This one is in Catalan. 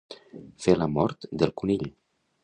Fer la mort del conill.